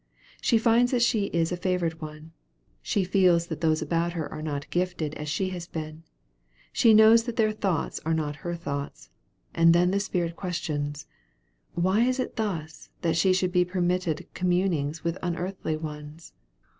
She finds that she is a favored one; she feels that those about her are not gifted as she has been; she knows that their thoughts are not as her thoughts; and then the spirit questions, Why is it thus that she should be permitted communings with unearthly ones?